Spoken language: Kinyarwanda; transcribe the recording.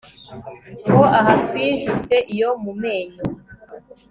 Ngo aha twijuse iyo mu menyo